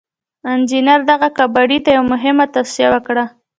انجنير دغه کباړي ته يوه مهمه توصيه وکړه.